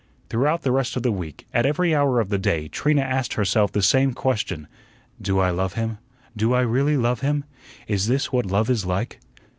Throughout the rest of the week, at every hour of the day, Trina asked herself the same question: "Do I love him? Do I really love him? Is this what love is like?"